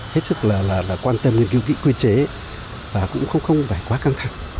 hết sức là quan tâm đến kỹ quy chế và cũng không phải quá căng thẳng